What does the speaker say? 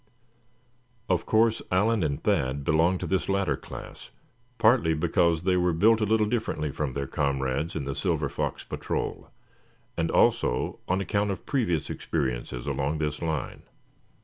Of course Allan and Thad belonged to this latter class, partly because they were built a little differently from their comrades in the Silver Fox Patrol; and also on account of previous experiences along this line.